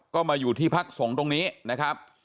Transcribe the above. ก็มาอยู่ที่พักสงฆ์ตรงนี้นะครับ